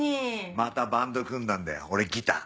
またバンド組んだんだよ俺ギター。